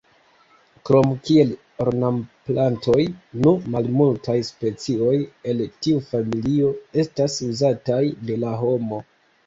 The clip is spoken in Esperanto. Krom kiel ornamplantoj nu malmultaj specioj el tiu familio estas uzataj de la homo.